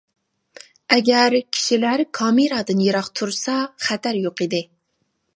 ئەگەر كىشىلەر كامېرادىن يىراق تۇرسا خەتەر يوق ئىدى.